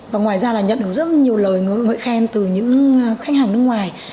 và ngoài ra là nhận được rất nhiều lời ngợi khen từ những khách hàng nước ngoài